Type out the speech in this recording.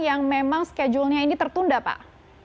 yang memang schedule nya ini tertunda pak